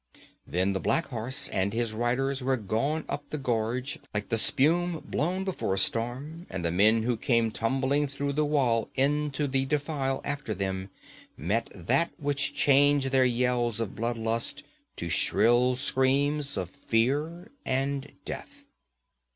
Then the black horse and his riders were gone up the gorge like the spume blown before a storm, and the men who came tumbling through the wall into the defile after them met that which changed their yells of blood lust to shrill screams of fear and death.